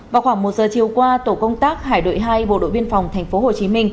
vào khoảng một giờ chiều qua tổ công tác hải đội hai bộ đội biên phòng tp hcm